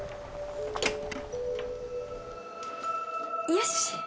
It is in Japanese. よし！